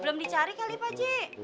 belum dicari kali pak c